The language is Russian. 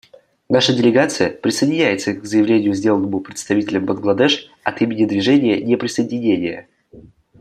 Наша делегация присоединяется к заявлению, сделанному представителем Бангладеш от имени Движения неприсоединения.